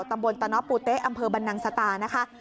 ตำบลตะเนาะปูเต๊อำเภอบรรนังสตานะคะ